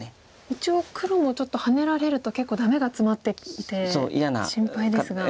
一応黒もちょっとハネられると結構ダメがツマっていて心配ですが。